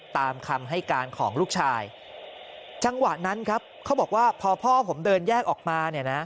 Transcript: ตามคำให้การของลูกชายจังหวะนั้นครับเขาบอกว่าพอพ่อผมเดินแยกออกมาเนี่ยนะ